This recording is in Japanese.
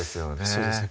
そうですね